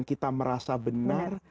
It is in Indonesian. kita merasa benar